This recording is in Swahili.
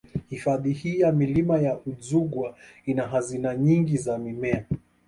Hifadhi hii ya Milima ya Udzungwa ina hazina nyingi za mimea